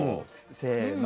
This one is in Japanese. せの。